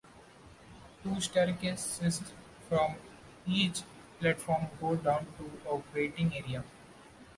Two staircases from each platform go down to a waiting area.